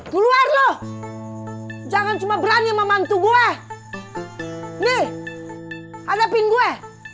keluar loh jangan cuma berani membantu gue nih hadapin gue